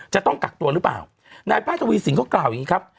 จะต้องกักตัวหรือเปล่านายแพทย์ทวีสินเขากล่าวอย่างนี้ครับ